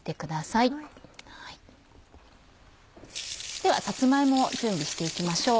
ではさつま芋を準備して行きましょう。